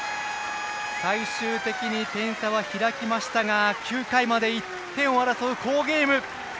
最終的に点差は開きましたが９回まで１点を争う好ゲーム。